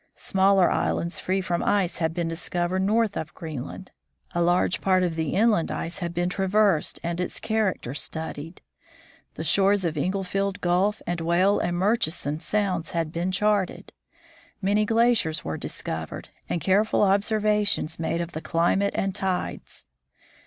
Smaller islands free from ice had been discovered north of Green 144 THE FROZEN NORTH land. A large part of the inland ice had been traversed and its character studied. The shores of Inglefield gulf and Whale and Murchison sounds had been charted. Many glaciers were discovered, and careful observations made of the climate and tides.